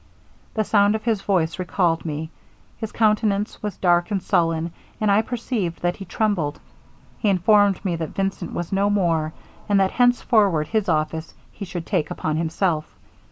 The sound of his voice recalled me. His countenance was dark and sullen, and I perceived that he trembled. He informed me that Vincent was no more, and that henceforward his office he should take upon himself.